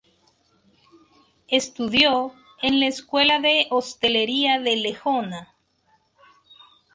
Estudió en la Escuela de Hostelería de Lejona.